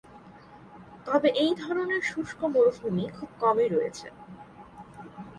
তবে এই ধরনের শুষ্ক মরুভূমি খুব কমই রয়েছে।